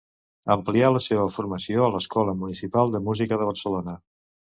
Amplià la seva formació a l'Escola Municipal de Música de Barcelona.